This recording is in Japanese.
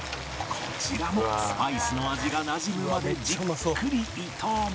こちらもスパイスの味がなじむまでじっくり炒め